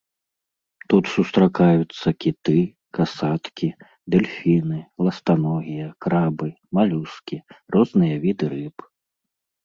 Тут сустракаюцца кіты, касаткі, дэльфіны, ластаногія, крабы, малюскі, розныя віды рыб.